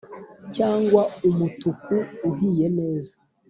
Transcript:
cyangwa umutuku uhiye neza